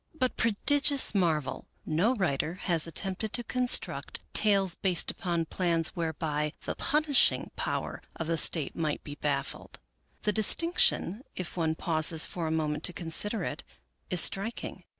But, prodigious marvel ! no writer has attempted to construct tales based upon plans whereby the punishing power of the State might be baffled. The distinction, if one pauses for a moment to consider it, is striking.